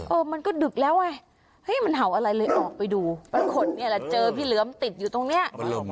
เออมันก็ดึกแล้วไงเฮ้ยมันเห่าอะไรเลยออกไปดูปรากฏเนี่ยแหละเจอพี่เหลือมติดอยู่ตรงนี้